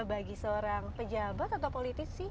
bagi seorang pejabat atau politisi